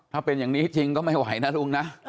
ถ้าเป็นอย่างนี้จริงก็ไม่ไหวนะลุงนะ